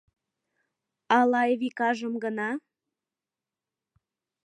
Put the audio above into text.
Ала Айвикажым гына?